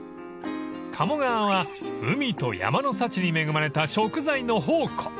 ［鴨川は海と山の幸に恵まれた食材の宝庫］